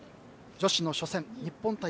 女子の初戦日本対